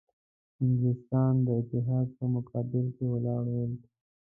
انګلیسیان د اتحاد په مقابل کې ولاړ ول.